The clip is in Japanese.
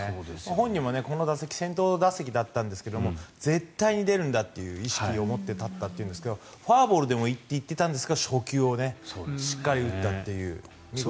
本人も先頭打席だったんですが絶対に出るんだという意識を持って立ったと言っていたんですがフォアボールでもいいと言っていたんですが初球をしっかり打ったという。